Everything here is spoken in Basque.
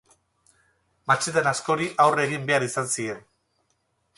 Matxinada askori aurre egin behar izan zien.